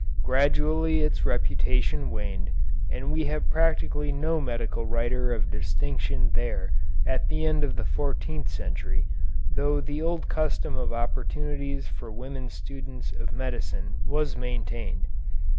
Gradually its reputation waned, and we have practically no medical writer of distinction there at the end of the fourteenth century, though the old custom of opportunities for women students of medicine was maintained.